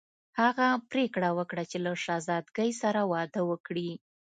هغه پریکړه وکړه چې له شهزادګۍ سره واده وکړي.